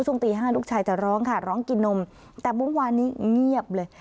ช่วงตีห้าลูกชายจะร้องค่ะร้องกินนมแต่วันวานนี้เงียบเลย